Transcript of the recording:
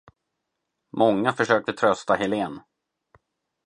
Många försöker trösta Helen.